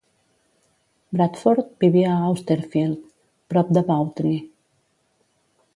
Bradford vivia a Austerfield, prop de Bawtry.